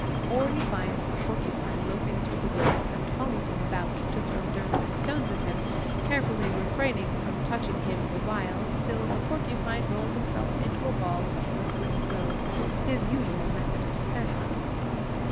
Or he finds a porcupine loafing through the woods, and follows him about to throw dirt and stones at him, carefully refraining from touching him the while, till the porcupine rolls himself into a ball of bristling quills, his usual method of defense.